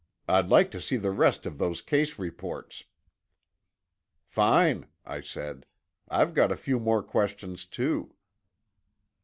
I'd like to see the rest of those case reports." "Fine," I said. "I've got a few more questions, too."